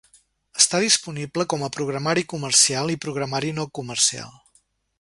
Està disponible com a programari comercial i programari no comercial.